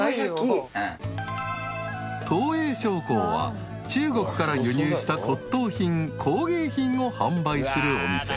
［東栄商行は中国から輸入した骨董品工芸品を販売するお店］